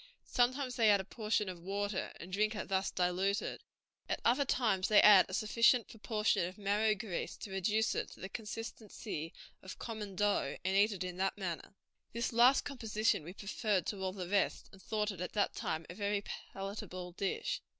Sometimes they add a portion of water, and drink it thus diluted; at other times they add a sufficient proportion of marrow grease to reduce it to the consistency of common dough and eat it in that manner. This last composition we preferred to all the rest, and thought it at that time a very palatable dish."